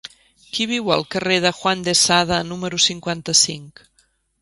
Qui viu al carrer de Juan de Sada número cinquanta-cinc?